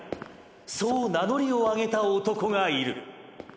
そう名乗りを上げた男がいる。